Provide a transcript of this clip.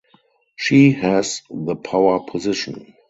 She has the power position.